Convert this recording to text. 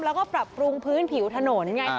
แล้วก็ปรับปรุงพื้นผิวถนนไง